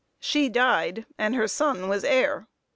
She died, and her son was heir.